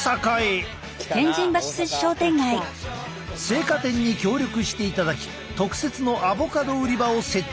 青果店に協力していただき特設のアボカド売り場を設置。